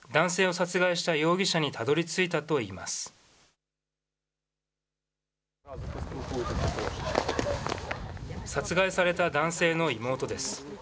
殺害された男性の妹です。